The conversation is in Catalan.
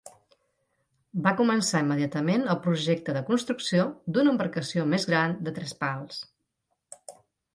Va començar immediatament el projecte de construcció d'una embarcació més gran de tres pals.